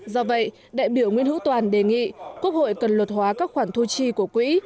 do vậy đại biểu nguyễn hữu toàn đề nghị quốc hội cần luật hóa các khoản thu chi của quỹ